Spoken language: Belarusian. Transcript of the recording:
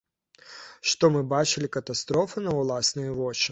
Што мы бачылі катастрофу на ўласныя вочы.